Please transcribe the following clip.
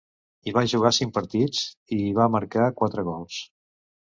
Hi va jugar cinc partits, i hi va marcar quatre gols.